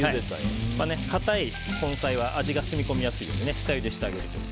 硬い根菜は味が染み込みやすいので下ゆでしてあげると。